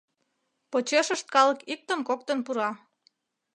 Почешышт калык иктын-коктын пура.